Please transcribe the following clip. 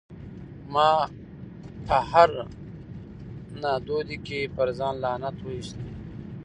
مه په هره نادودي کي پر ځان لعنت واياست